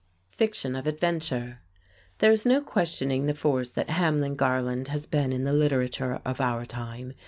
] Fiction of Adventure There is no questioning the force that Hamlin Garland has been in the literature of our time.